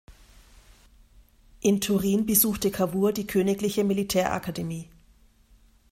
In Turin besuchte Cavour die königliche Militärakademie.